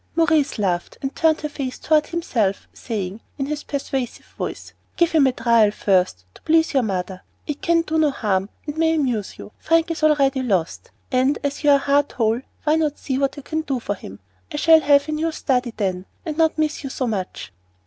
Maurice laughed, and turned her face toward himself, saying, in his persuasive voice, "Give him a trial first, to please your mother. It can do no harm and may amuse you. Frank is already lost, and, as you are heart whole, why not see what you can do for him? I shall have a new study, then, and not miss you so much."